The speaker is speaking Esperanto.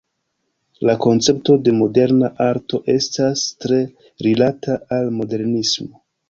La koncepto de moderna arto estas tre rilata al modernismo.